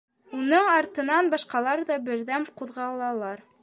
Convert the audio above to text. Уның артынан башҡалар ҙа берҙәм ҡуҙғалалар.